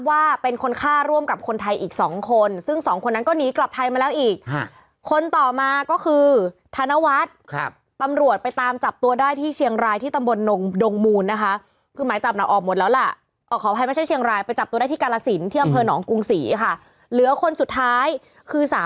ว่าเป็นคนฆ่าร่วมกับคนไทยอีกสองคนซึ่งสองคนนั้นก็หนีกลับไทยมาแล้วอีกคนต่อมาก็คือธนวัฒน์ครับตำรวจไปตามจับตัวได้ที่เชียงรายที่ตำบลดงดงมูลนะคะคือหมายจับน่ะออกหมดแล้วล่ะขออภัยไม่ใช่เชียงรายไปจับตัวได้ที่กาลสินที่อำเภอหนองกรุงศรีค่ะเหลือคนสุดท้ายคือสา